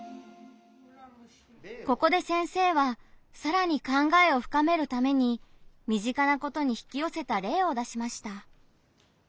ここで先生はさらに考えを深めるために身近なことに引きよせた例を出しました。